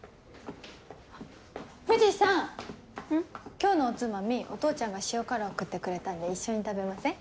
今日のおつまみお父ちゃんが塩辛送ってくれたんで一緒に食べません？